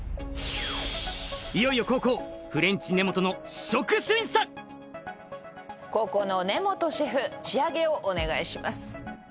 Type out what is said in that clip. いよいよ後攻フレンチ根本の試食審査後攻の根本シェフ仕上げをお願いします